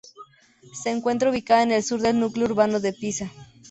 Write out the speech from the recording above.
Se encuentra ubicada en el sur del núcleo urbano de Pisa.